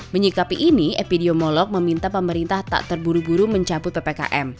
menyikapi ini epidemiolog meminta pemerintah tak terburu buru mencabut ppkm